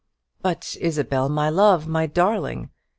"But, Isabel my love my darling!